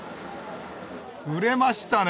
売れましたね。